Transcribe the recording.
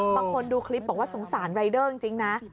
บางคนดูคลิปบอกว่าสงสารรายเดอร์จริงนะ